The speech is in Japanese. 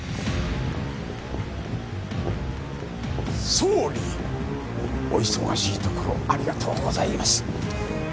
総理お忙しいところありがとうございます。